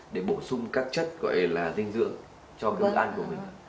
để bổ sung các chất gọi là dinh dưỡng cho bữa ăn của mình